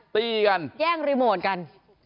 ตีกันแย่งรีโมทกัน